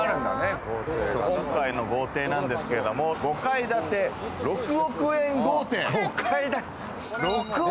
今回の豪邸なんですけども、５階建て６億円豪邸。